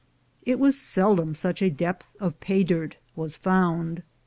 It was seldom such a depth of pay dirt was found.